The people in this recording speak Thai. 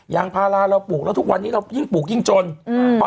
ยางพาราเราปลูกแล้วทุกวันนี้เรายิ่งปลูกยิ่งจนอืม